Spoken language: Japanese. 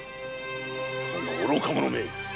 この愚か者め！